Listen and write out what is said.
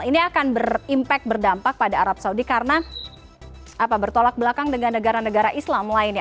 ini akan berimpak berdampak pada arab saudi karena bertolak belakang dengan negara negara islam lainnya